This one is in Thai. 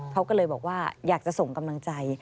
เขาก็เลยบอกว่าอยากจะส่งกำลังใจ